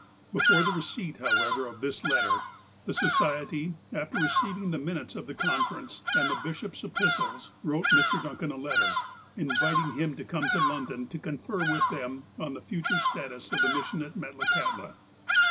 Before the receipt, however, of this letter, the Society, after receiving the minutes of the conference, and the bishop's epistles, wrote Mr. Duncan a letter, inviting him to come to London to confer with them on the future status of the mission at Metlakahtla.